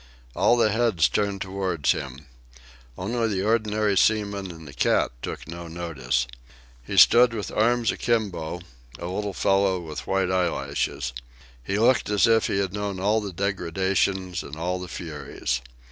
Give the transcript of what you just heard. All the heads turned towards him. Only the ordinary seaman and the cat took no notice. He stood with arms akimbo, a little fellow with white eyelashes. He looked as if he had known all the degradations and all the furies.